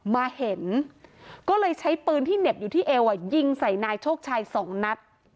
มาเห็นก็เลยใช้ปืนที่เหน็บอยู่ที่เอวยิงใส่นายโชคชัยสองนัด